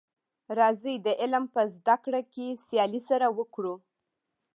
راځی د علم په زده کړه کي سیالي سره وکړو.